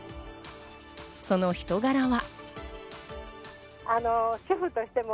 その人柄は。